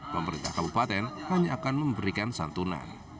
pemerintah kabupaten hanya akan memberikan santunan